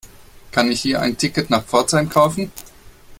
Kann ich hier ein Ticket nach Pforzheim kaufen?